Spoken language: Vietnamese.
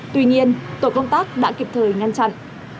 tổ công tác đã kịp thời ngăn chặn